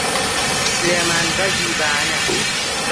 سلێمان بەگی بانە